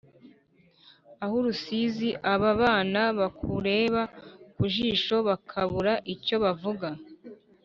Aho uruzi aba banaBakureba ku jishoBakabura icyo bavuga